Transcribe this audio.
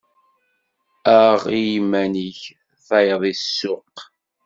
Aɣ i yiman-ik, taɣeḍ i ssuq.